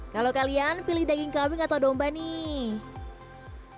kalau kalian pilih daging kambing atau domba nih